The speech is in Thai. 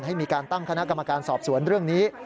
ให้มีการตั้งคณะกรรมการสอบสวนเรื่องนี้